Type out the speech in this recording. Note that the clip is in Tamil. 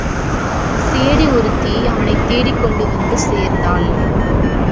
சேடி ஒருத்தி அவனைத் தேடிக்கொண்டு வந்து சேர்ந்தாள்.